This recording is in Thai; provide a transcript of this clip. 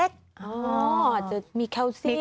อ๋อจะมีแคลเซียม